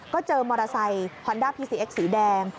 ก็เจอมอเตอร์ไซค์ฮอนด้าพีซีเอ็กสีแดง